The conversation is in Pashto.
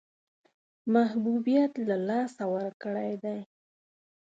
محبوبیت له لاسه ورکړی دی.